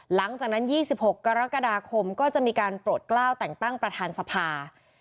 หลังจากนั้น๒๖กรกฎาคมก็จะมีการโปรดกล้าวแต่งตั้งประธานสภา